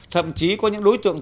thậm chí có những đối tượng